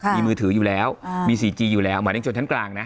มีมือถืออยู่แล้วมีซีจีอยู่แล้วหมายถึงจุดชั้นกลางนะ